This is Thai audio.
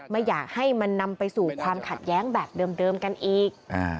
ไม่อยากให้มันนำไปสู่ความขัดแย้งแบบเดิมกันอีก